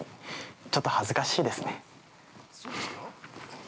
ちょっと恥ずかしいですね。